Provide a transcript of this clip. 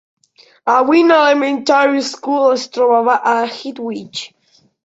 La Winn Elementary School es trobava a Hutchins.